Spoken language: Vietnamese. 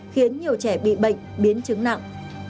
khiến nhiều trẻ bị bệnh biến chứng nặng